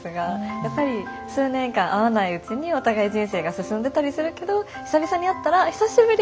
やっぱり数年間会わないうちにお互い人生が進んでたりするけど久々に会ったら「久しぶり。